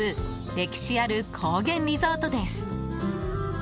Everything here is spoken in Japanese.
歴史ある高原リゾートです。